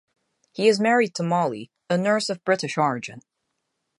He is married to Molly, a nurse of British origin.